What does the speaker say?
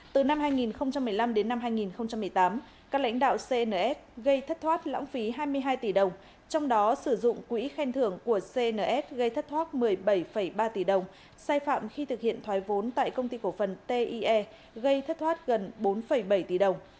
từ năm hai nghìn một mươi năm đến năm hai nghìn một mươi tám các lãnh đạo cns gây thất thoát lãng phí hai mươi hai tỷ đồng trong đó sử dụng quỹ khen thưởng của cns gây thất thoát một mươi bảy ba tỷ đồng sai phạm khi thực hiện thoái vốn tại công ty cổ phần tie gây thất thoát gần bốn bảy tỷ đồng